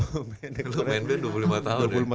lu main main dua puluh lima tahun ya